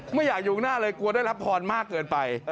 ไม่อยากอยู่ข้างหน้าเลยกลัวได้รับพรมากเกินไป